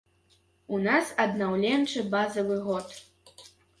У нас аднаўленчы базавы год.